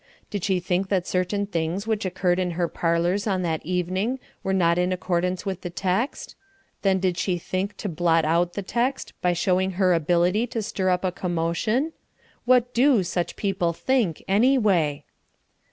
Did she think that certain things which occurred in her parlours on that evening were not in accordance with the text? Then did she think to blot out the text by showing her ability to stir up a commotion? What do such people think, anyway?